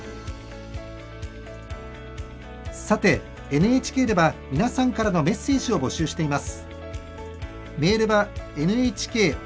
ＮＨＫでは皆さんからのメッセージを募集しています。